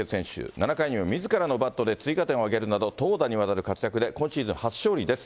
７回にはみずからのバットで追加点を挙げるなど、投打にわたる活躍で、今シーズン初勝利です。